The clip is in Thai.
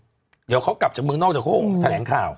เดี๋ยวเค้ากลับจากเมืองนอกจะโฆ่งแถลงข่าว